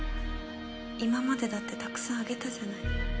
今までだってたくさんあげたじゃない。